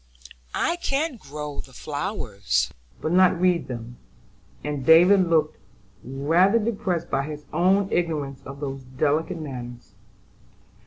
"I can grow the flowers, but not read them," and David looked rather depressed by his own ignorance of those delicate matters.